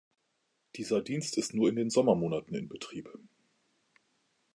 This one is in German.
Dieser Dienst ist nur in den Sommermonaten in Betrieb.